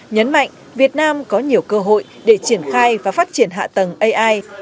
nhấn mạnh việt nam có nhiều cơ hội để triển khai và phát triển hạ tầng ai